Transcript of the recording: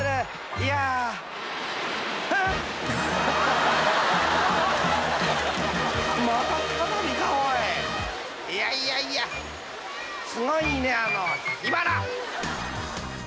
［いやいやいやすごいねあの火花！］